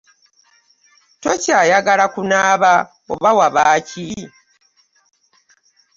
Tokyayagala kunaaba oba waba ki?